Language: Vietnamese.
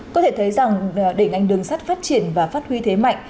có thể thấy rằng để ngành đường sắt phát triển và phát huy thế mạnh